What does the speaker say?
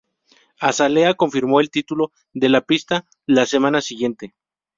Azalea confirmó el título de la pista la semana siguiente.